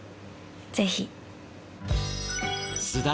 ぜひ。